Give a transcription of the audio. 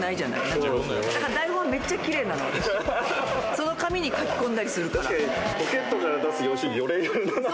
「その紙に書き込んだりするから」